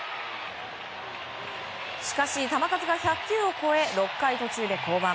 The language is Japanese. しかし球数が１００球を超え６回途中で降板。